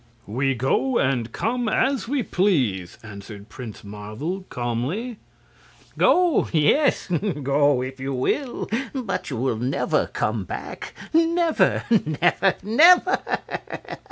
"We go and come as we please," answered Prince Marvel, calmly. "Go yes! Go if you will. But you'll never come back never! never! never!"